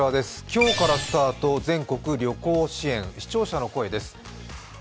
今日からスタート、全国旅行支援、視聴者の声です。